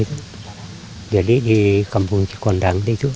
setelah terjadinya kebakaran besar yang melanda kampung cikondang pada masa kolonial